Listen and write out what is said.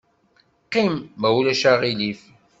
Qqim, ma ulac aɣilif.